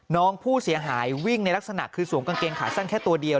น้องผู้เสียหายวิ่งในลักษณะคือสวมกางเกงขาสั้นแค่ตัวเดียว